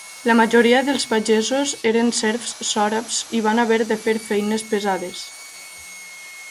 La majoria dels pagesos eren serfs sòrabs i va haver de fer feines pesades.